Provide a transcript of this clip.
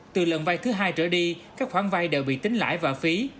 từ lần vai thứ hai trở đi các khoản vai đều bị tính lãi và phí